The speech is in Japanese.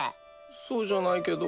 そうじゃないけど。